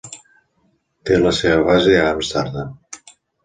Té la seva base a Amsterdam.